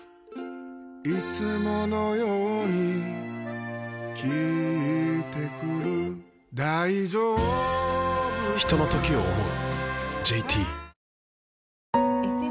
いつものように聞いてくる大丈夫か嗚呼ひとのときを、想う。